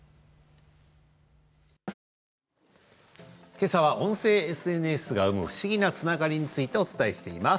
けさは音声ＳＮＳが生む不思議なつながりについてお伝えしています。